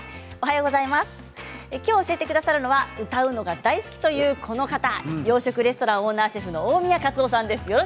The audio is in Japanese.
きょう教えてくださるのは歌うのが大好きというこの方洋食レストランオーナーシェフの大宮勝雄さんです。